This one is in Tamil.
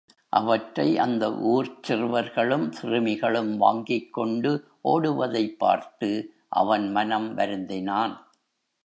அவற்றை அந்த ஊர்ச் சிறுவர்களும் சிறுமிகளும் வாங்கிக்கொண்டு ஓடுவதைப் பார்த்து அவன் மனம் வருந்தினான்.